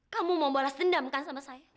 kamu membalas dendam kan sama saya